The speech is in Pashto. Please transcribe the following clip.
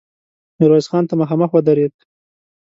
ميرويس خان ته مخامخ ودرېد.